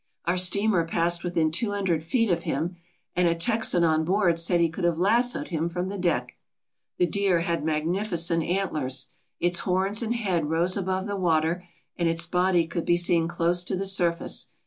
Our steamer passed within two hundred feet of him, and a Texan on board said he could have lassoed him from the deck. The deer had magni ficent antlers. Its horns and head rose above the water and its body could be seen close to the surface.